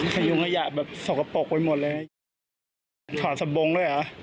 ไข้วงหยะสกปรกไว้หมดเลย